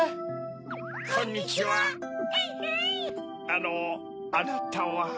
あのあなたは？